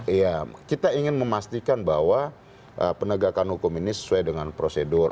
iya kita ingin memastikan bahwa penegakan hukum ini sesuai dengan prosedur